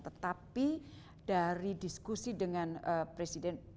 tetapi dari diskusi dengan presiden